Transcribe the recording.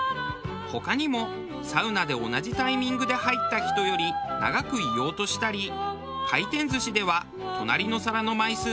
他にもサウナで同じタイミングで入った人より長くいようとしたり回転寿司では隣の皿の枚数が気になります。